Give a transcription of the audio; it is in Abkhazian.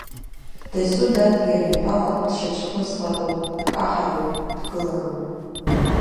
Дасу, дад, иара итәала дшьацәхныслароуп, дкаҳароуп, дгылароуп.